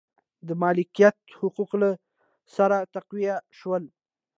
د مالکیت حقوق له سره تقویه شول.